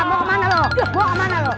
mau kemana lo mau kemana lo